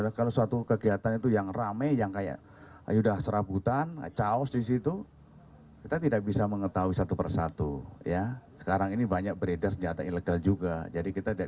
hanya gas air mata